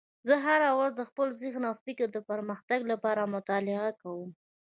زه هره ورځ د خپل ذهن او فکر د پرمختګ لپاره مطالعه کوم